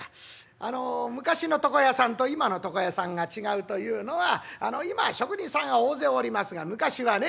あの昔の床屋さんと今の床屋さんが違うというのは今は職人さんが大勢おりますが昔はね